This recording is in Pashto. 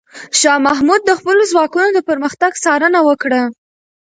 شاه محمود د خپلو ځواکونو د پرمختګ څارنه وکړه.